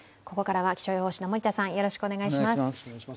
ここからは気象予報士の森田さんお願いします。